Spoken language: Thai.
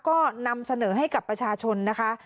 ก็นำเสนอให้กับประชาชนนะคะ